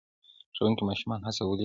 ښوونکي ماشومان هڅولي دي.